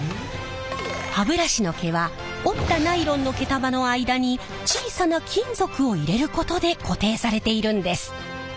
歯ブラシの毛は折ったナイロンの毛束の間に小さな金属を入れることで固定されているんです。